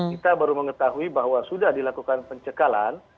kita baru mengetahui bahwa sudah dilakukan pencekalan